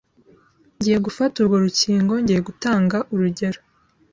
Ngiye gufata urwo rukingo, ngiye gutanga urugero